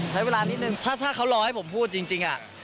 ใช้เวลานิดนึงถ้าเขารอให้ผมพูดจริง